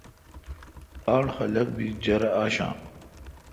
آڈ خلق بی جرہ آشہ۔